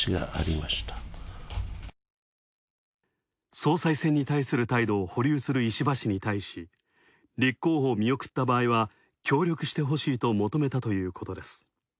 総裁選に対する態度を保留する石破氏に対し、立候補を見送った場合は協力してほしいと求めたということです。